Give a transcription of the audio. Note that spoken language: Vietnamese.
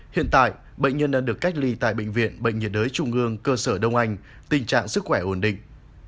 hiện tại bệnh nhân đang được cách ly tại bệnh viện bệnh nhiệt đới trung ương cơ sở đông anh tình trạng sức khỏe ổn định